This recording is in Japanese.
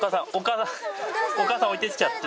お母さん置いてっちゃった。